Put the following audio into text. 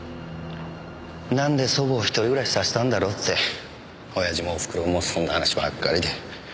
なんで祖母を一人暮らしさせたんだろうって親父もおふくろもそんな話ばっかりで。